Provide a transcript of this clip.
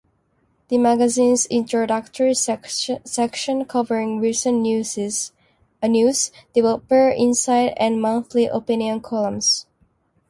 The magazine's introductory section covering recent news, developer insights, and monthly opinion columns.